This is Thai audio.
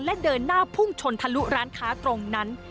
และเดินหน้าพุ่งชนทะลุร้านค้าตรงนั้น